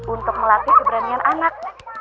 untuk melatih keberanian anak